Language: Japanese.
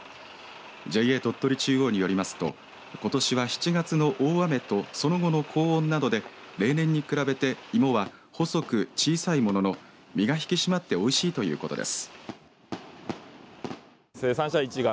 ＪＡ鳥取中央によりますとことしは７月の大雨とその後の高温などで例年に比べて芋は細く小さいものの実が引き締まっておいしいということです。